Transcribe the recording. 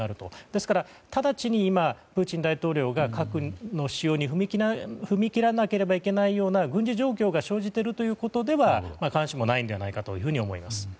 ですから直ちに今プーチン大統領が核の使用に踏み切らなければならないような軍事状況が生じているというわけでは必ずしもないのではないかと思います。